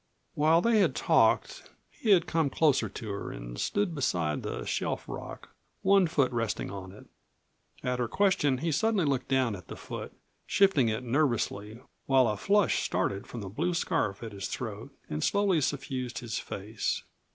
While they had talked he had come closer to her and stood beside the shelf rock, one foot resting on it. At her question he suddenly looked down at the foot, shifting it nervously, while a flush started from above the blue scarf at his throat and slowly suffused his face.